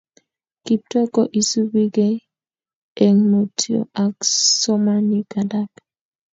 Kiptoo ko isubi gei eng mutio ak somanik alak